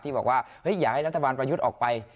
ที่บอกว่าเฮ้ยอย่าให้รัฐบาลประยุทธออกไป